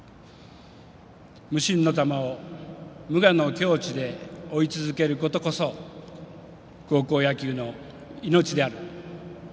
無心の球を無我の境地で追い続けることこそ高校野球の命である。